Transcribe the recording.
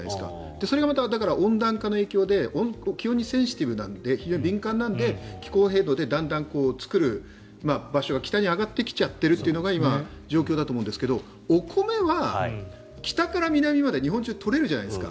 それがまた温暖化の影響で気温にセンシティブなので非常に敏感なので気候変動でだんだん作る場所が北に上がってきちゃってるというのが今の状況だと思うんですがお米は北から南まで日本中、取れるじゃないですか。